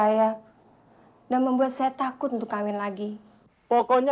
gagal banget kita bisa di it dong